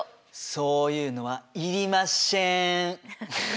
そういうのはいりまっしぇん！